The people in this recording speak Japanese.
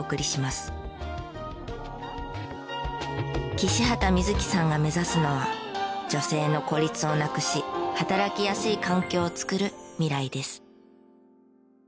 岸畑聖月さんが目指すのは女性の孤立をなくし働きやすい環境をつくる未来です。